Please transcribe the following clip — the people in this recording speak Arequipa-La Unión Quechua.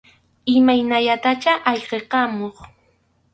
Imaynallatachá ayqikamuq.